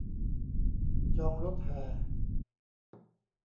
จองรถแห่